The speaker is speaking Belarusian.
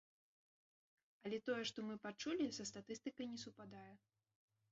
Але тое, што мы пачулі са статыстыкай не супадае.